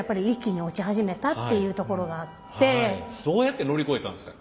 どうやって乗り越えたんですか？